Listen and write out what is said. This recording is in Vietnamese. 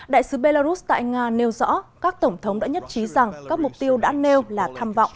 đại sứ belarus tại nga nêu rõ các tổng thống đã nhất trí rằng các mục tiêu đã nêu là tham vọng